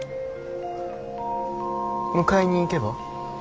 迎えに行けば？